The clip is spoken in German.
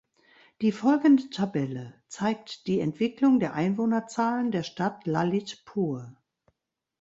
Die folgende Tabelle zeigt die Entwicklung der Einwohnerzahlen der Stadt Lalitpur.